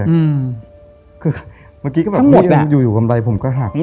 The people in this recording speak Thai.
เมื่อกี้ก็แบบอยู่อยู่กำไรผมก็หัก